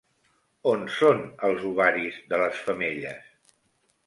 On són els ovaris de les femelles?